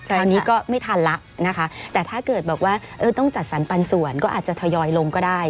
คราวนี้ก็ไม่ทันแล้วนะคะแต่ถ้าเกิดบอกว่าต้องจัดสรรปันส่วนก็อาจจะทยอยลงก็ได้